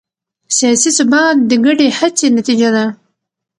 سیاسي ثبات د ګډې هڅې نتیجه ده